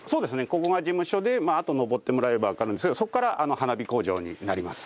ここが事務所であと上ってもらえばわかるんですけどそこから花火工場になります。